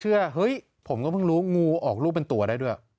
เฮ้ยผมก็เพิ่งรู้งูออกลูกเป็นตัวได้ด้วย